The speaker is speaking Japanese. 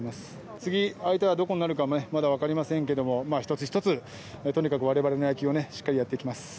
次、相手はどこになるかね、まだ分かりませんけども、一つ一つとにかく我々の野球をしっかりやっていきます。